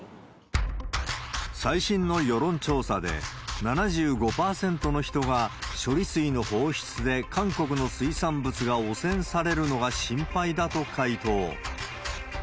最新の世論調査で、７５％の人が処理水の放出で韓国の水産物が汚染されるのが心配だと回答。